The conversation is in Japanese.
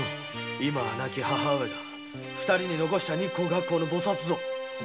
今は亡き母上が二人に残した「日光」「月光」の菩薩像。